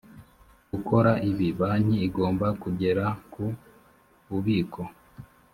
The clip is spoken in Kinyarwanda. gukora ibi banki igomba kugera ku bubiko